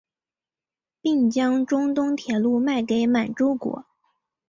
并将中东铁路卖给满洲国。